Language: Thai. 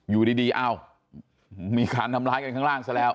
อยู่ดีอ้าวมีการทำร้ายกันข้างล่างซะแล้ว